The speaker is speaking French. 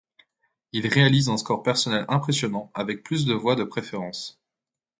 Il réalise un score personnel impressionnant avec plus de voix de préférence.